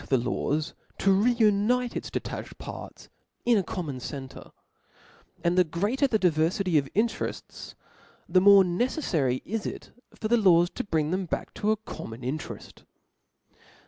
the laws to reunite its detached parts in a common center; and the greater the diverfity of interefts, the more neceflary it is for the laws to bring them back to a common intereft.